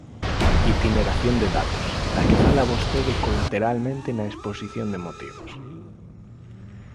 Itineración de datos, da que fala vostede colateralmente na exposición de motivos.